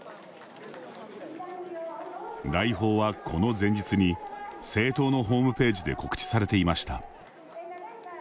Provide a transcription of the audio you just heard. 来訪は、この前日に政党のホームページで告知されていました。